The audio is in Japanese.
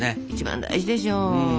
一番大事でしょう。